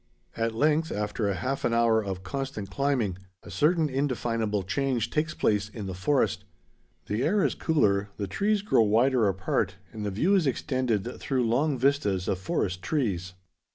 At length, after half an hour of constant climbing, a certain indefinable change takes place in the forest. The air is cooler, the trees grow wider apart, and the view is extended through long vistas of forest trees.